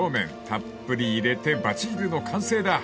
［たっぷり入れてばち汁の完成だ］